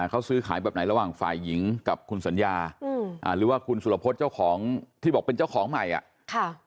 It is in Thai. เขาซื้อขายแบบไหนระหว่างฝ่ายหญิงกับคุณสัญญาหรือว่าคุณสุรพฤษเจ้าของที่บอกเป็นเจ้าของใหม่อ่ะค่ะ